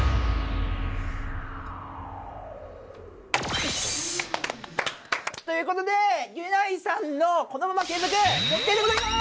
よし！ということでギュナイさんのこのままけいぞく決定でございます！